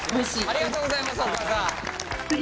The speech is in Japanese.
ありがとうございますお母さん！